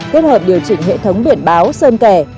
kết hợp điều chỉnh hệ thống biển báo sơn kẻ